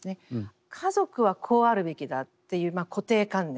家族はこうあるべきだっていう固定観念